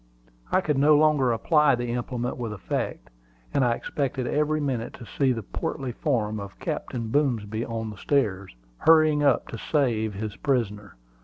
I could no longer apply the implement with effect, and I expected every minute to see the portly form of Captain Boomsby on the stairs, hurrying up to save his prisoner.